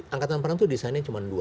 angkatan perang itu desainnya cuma dua